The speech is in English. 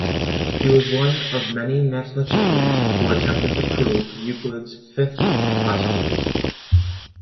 He was one of many mathematicians who attempted to prove Euclid's fifth postulate.